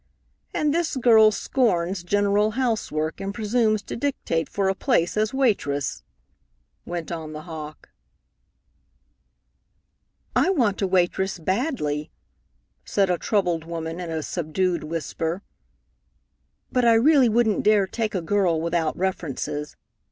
"And this girl scorns general housework, and presumes to dictate for a place as waitress," went on the hawk. "I want a waitress badly," said a troubled woman in a subdued whisper, "but I really wouldn't dare take a girl without references.